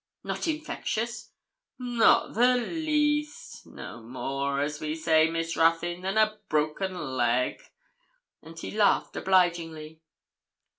'Not infectious?' 'Not the least no more, as we say, Miss Ruthyn, than a broken leg,' and he laughed obligingly.